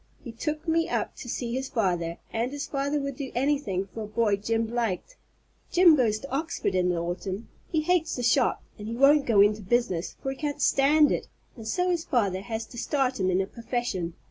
He took me up to see his father, and his father would do anything for a boy Jim liked. Jim goes to Oxford in the autumn. He hates the shop, and he won't go into business, for he can't stand it, and so his father has to start him in a profession.